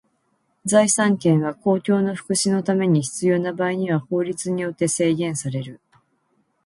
財産権は公共の福祉のために必要な場合には法律によって制限される。